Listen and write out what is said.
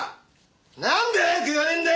なんで早く言わねえんだよ！